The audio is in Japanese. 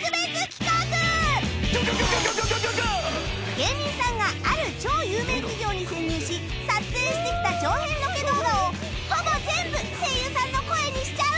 芸人さんがある超有名企業に潜入し撮影してきた長編ロケ動画をほぼ全部声優さんの声にしちゃう！